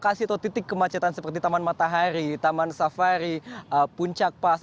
jadi ada banyak titik kemacetan seperti taman matahari taman safari puncak pas